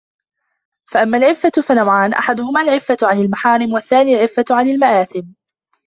فَأَمَّا الْعِفَّةُ فَنَوْعَانِ أَحَدُهُمَا الْعِفَّةُ عَنْ الْمَحَارِمِ وَالثَّانِي الْعِفَّةُ عَنْ الْمَآثِمِ